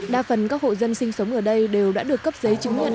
đa phần các hộ dân sinh sống ở đây đều đã được cấp giấy chứng nhận